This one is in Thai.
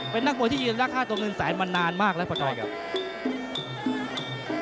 เป็นนักบวชที่ยืนรัก๕ตัวเงินแสนมันนานมากแล้วปากรน